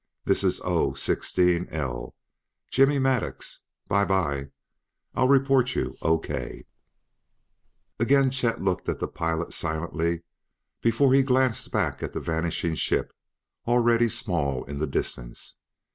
This is O sixteen L; Jimmy Maddux. By by! I'll report you O.K." Again Chet looked at the pilot silently before he glanced back at the vanishing ship, already small in the distance.